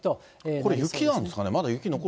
これ雪なんですかね？